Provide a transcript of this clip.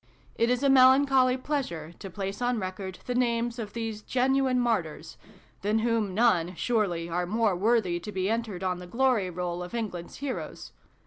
It is a melan choly pleasure to place on record the names of these genuine martyrs than whom none, surely, are more worthy to be entered on the glory roll of England s heroes